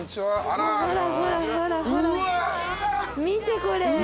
見てこれ。